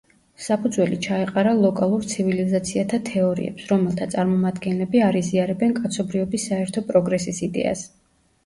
საფუძველი ჩაეყარა ლოკალურ ცივილიზაციათა თეორიებს, რომელთა წარმომადგენლები არ იზიარებენ კაცობრიობის საერთო პროგრესის იდეას.